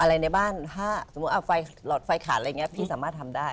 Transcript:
ในบ้านถ้าสมมุติหลอดไฟขาดอะไรอย่างนี้พี่สามารถทำได้